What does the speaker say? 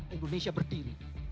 selama indonesia berdiri